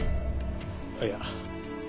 あっいや